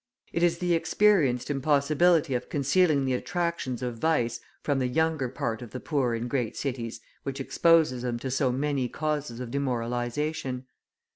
It is the experienced impossibility of concealing the attractions of vice from the younger part of the poor in great cities which exposes them to so many causes of demoralisation.